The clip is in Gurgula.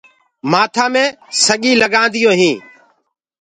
مآٿآ مي سڳيٚ لگانديونٚ هينٚ